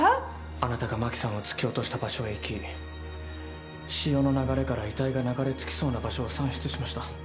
あなたが真紀さんを突き落とした場所へ行き潮の流れから遺体が流れ着きそうな場所を算出しました。